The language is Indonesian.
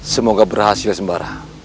semoga berhasil sembara